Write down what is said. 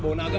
bau bau naga